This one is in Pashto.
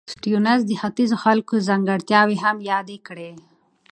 سټيونز د ختیځ د خلکو ځانګړتیاوې هم یادې کړې.